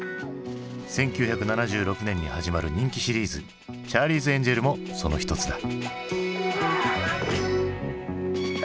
１９７６年に始まる人気シリーズ「チャーリーズ・エンジェル」もその一つだ。